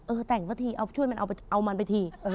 เออแต่งเพื่อทีเอามันไปที